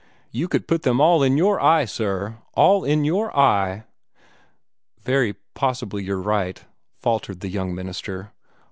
You could put them all in your eye, sir all in your eye!" "Very possibly you're right," faltered the young minister.